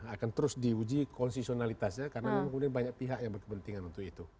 akan terus diuji konsesionalitasnya karena mungkin banyak pihak yang berkepentingan untuk itu